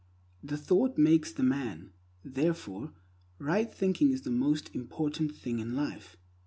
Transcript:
The thought makes the man; therefore right thinking is the most important thing in life.